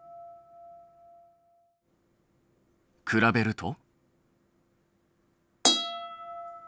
比べると。